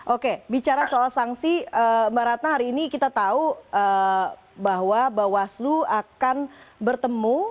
oke bicara soal sanksi mbak ratna hari ini kita tahu bahwa bawaslu akan bertemu